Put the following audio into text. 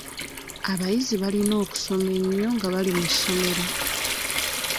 Abayizi balina okusoma ennyo nga bali mu ssomero.